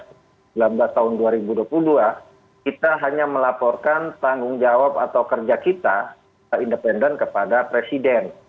pada sembilan belas tahun dua ribu dua puluh dua kita hanya melaporkan tanggung jawab atau kerja kita independen kepada presiden